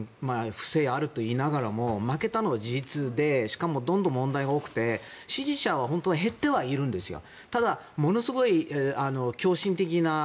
不正あると言いながらも負けたのは事実でしかも、どんどん問題が多くて支持者は減ってはいるんですよ。